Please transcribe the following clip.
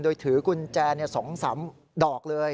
โดยถือกุญแจสองสามดอกเลย